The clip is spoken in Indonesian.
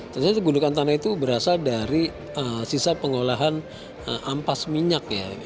ternyata gundukan tanah itu berasal dari sisa pengolahan ampas minyak ya